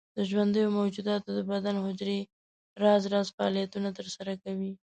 د ژوندیو موجوداتو د بدن حجرې راز راز فعالیتونه تر سره کوي.